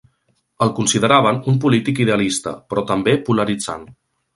El consideraven un polític idealista, però també polaritzant.